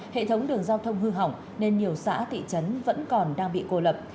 hệ thống đường giao thông hư hỏng nên nhiều xã thị trấn vẫn còn đang bị cô lập